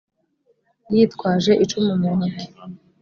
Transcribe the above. yitwaje icumu mu ntoki.